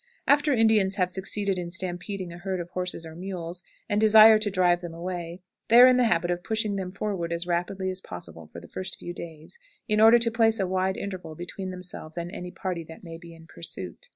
After Indians have succeeded in stampeding a herd of horses or mules, and desire to drive them away, they are in the habit of pushing them forward as rapidly as possible for the first few days, in order to place a wide interval between themselves and any party that may be in pursuit.